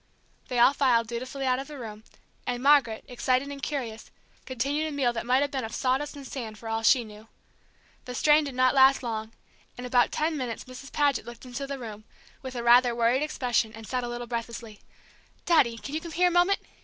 They all filed dutifully out of the room, and Margaret, excited and curious, continued a meal that might have been of sawdust and sand for all she knew. The strain did not last long; in about ten minutes Mrs. Paget looked into the room, with a rather worried expression, and said, a little breathlessly: "Daddy, can you come here a moment?